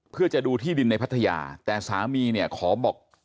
เพื่อจะดูที่ดินในพัทยาแต่สามีเนี่ยขอบอก